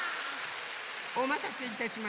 おまたせいたしました。